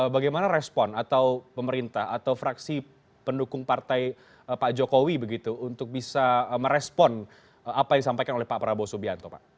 bagaimana respon atau pemerintah atau fraksi pendukung partai pak jokowi begitu untuk bisa merespon apa yang disampaikan oleh pak prabowo subianto pak